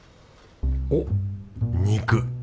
おっ肉。